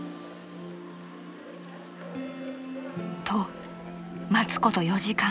［と待つこと４時間］